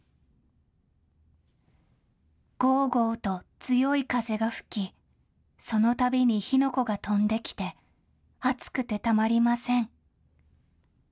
ごーごーと強い風が吹きそのたびに火の粉が飛んできてあつくてたまりません。